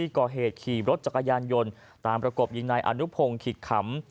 ก่อเหตุขี่รถจักรยานยนต์ตามประกบยิงนายอนุพงศ์ขิกขำ